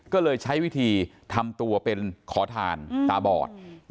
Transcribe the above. ก็เลยใช้วิธีทำตัวเป็นขอทานตาบอด